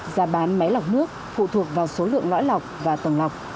giá bán máy lọc nước phụ thuộc vào số lượng lõi lọc và tầng lọc